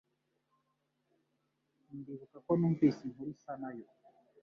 Ndibuka ko numvise inkuru isa nayo